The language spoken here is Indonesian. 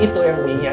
itu yang bingit